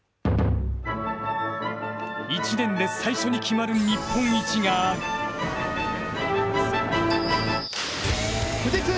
一年で最初に決まる日本一がある。